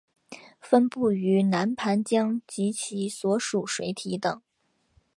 分布于南盘江及其所属水体等。